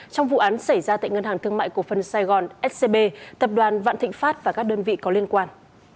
trong vụ án xảy ra tại ngân hàng thương mại cổ phân sài gòn scb tập đoàn vạn thịnh pháp và các đơn vị có liên quan